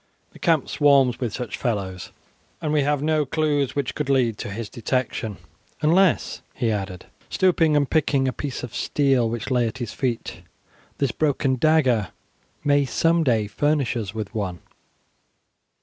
The camp swarms with such fellows, and we have no clue which could lead to his detection, unless," he added, stooping and picking a piece of steel which lay at his feet, "this broken dagger may some day furnish us with one.